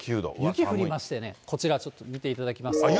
雪降りましてね、こちらちょっと見ていただくと。